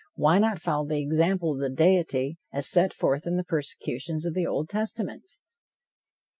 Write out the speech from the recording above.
Why not follow the example of the deity, as set forth in the persecutions of the Old Testament?